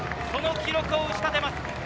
その記録を打ち立てます。